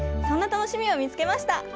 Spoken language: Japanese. そんなたのしみをみつけました。